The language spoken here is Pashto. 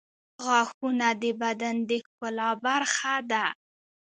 غاښونه د بدن د ښکلا برخه ده.